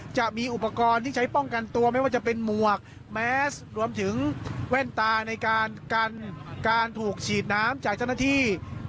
จะมีอุปกรณ์ที่ใช้ป้องกันตัวไม่ว่าจะเป็นหมวกแมสรวมถึงแว่นตาในการกันการถูกฉีดน้ำจากเจ้าหน้าที่